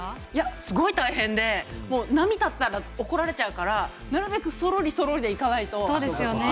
すごい大変で波が立つと怒られちゃうからなるべくそろりそろりでいかないと。